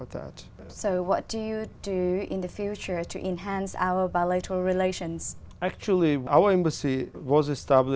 đã được xây dựng một cộng đồng intergovernmental